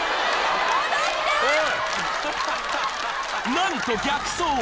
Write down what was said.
［何と逆走］